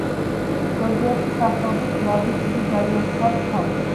ზოგიერთი სახეობის ბლაგვი კუდი ძალიან ჰგავს თავს.